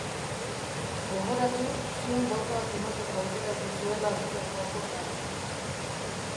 Gogoratu, zuen botoak emateko aukera duzuela gure webgunean.